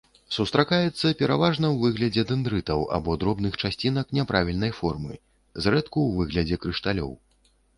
Сустракаецца пераважна ў выглядзе дэндрытаў або дробных часцінак няправільнай формы, зрэдку ў выглядзе крышталёў.